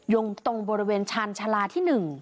ตรงบริเวณชาญชาลาที่๑